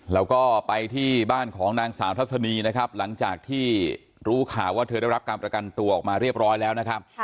แล้วก็ไปที่บ้านของนางสาวทัศนีนะครับหลังจากที่รู้ข่าวว่าเธอได้รับการประกันตัวออกมาเรียบร้อยแล้วนะครับ